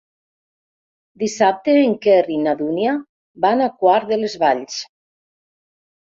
Dissabte en Quer i na Dúnia van a Quart de les Valls.